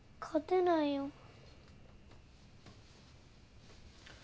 勝てないよ。